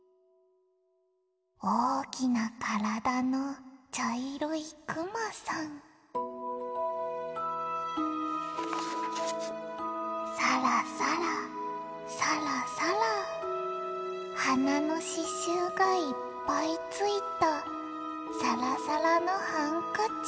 「おおきなからだのちゃいろいくまさん」「さらさらさらさら」「はなのししゅうがいっぱいついた」「さらさらのハンカチ」